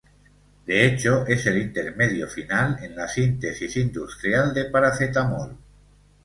De hecho, es el intermedio final en la síntesis industrial de paracetamol.